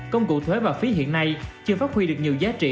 công cụ thuế và phí hiện nay chưa phát huy được nhiều giá trị